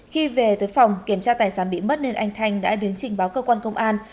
khi về tới phòng kiểm tra tài sản bị mất nên anh thanh đã đến trình báo cơ quan công an